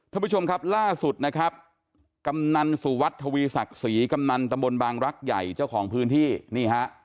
ท่านผู้ชมครับล่าสุดนะครับกำนันสุวัสดิทวีศักดิ์ศรีกำนันตะบนบางรักใหญ่เจ้าของพื้นที่นี่ฮะ